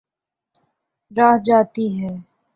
رہ جاتی ہے۔